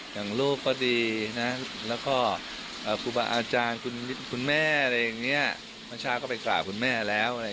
ก็ครูบาอาจารย์คุณแม่พระชาติก็ไปกล่าวคุณแม่แล้ว